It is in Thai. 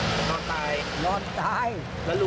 เนี่ยจ้ะแล้วคนเสื้อขาวก็หันไปมองละ